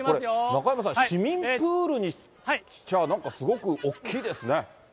中山さん、市民プールにしちゃ、なんかすごく大きいですね。